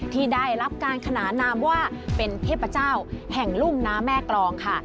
ที่ได้รับการขนานนามว่าเป็นเทพเจ้าแห่งลุ่มน้ำแม่กรองค่ะ